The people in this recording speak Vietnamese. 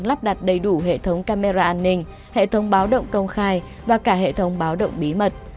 lắp đặt đầy đủ hệ thống camera an ninh hệ thống báo động công khai và cả hệ thống báo động bí mật